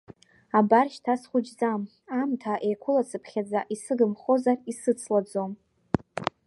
Абар, шьҭа схәыҷӡам, аамҭа еиқәылацыԥхьаӡа исыгымхозар, исыцлаӡом.